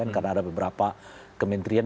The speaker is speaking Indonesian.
karena ada beberapa kementerian